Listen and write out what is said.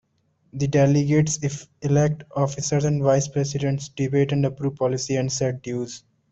The delegates elect officers and vice presidents, debate and approve policy, and set dues.